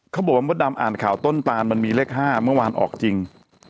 เขาบอกว่ามดดำอ่านข่าวต้นตานมันมีเลข๕เมื่อวานออกจริง